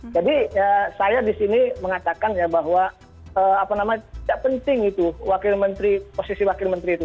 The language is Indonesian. jadi saya di sini mengatakan bahwa tidak penting itu posisi wakil menteri itu